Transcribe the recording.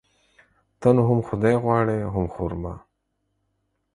ته نو هم خداى غواړي ،هم خر ما.